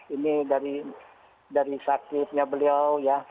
ini dari sakitnya beliau ya